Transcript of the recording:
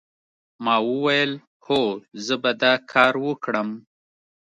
ما وویل هو زه به دا کار وکړم